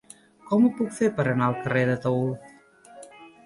Com ho puc fer per anar al carrer d'Ataülf?